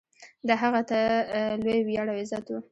دا هغه ته لوی ویاړ او عزت و.